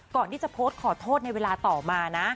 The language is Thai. ก่อนที่จะโพสต์ขอโทษในเวลาต่อมานะ